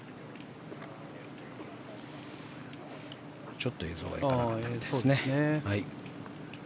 ちょっと映像が行かないみたいですね。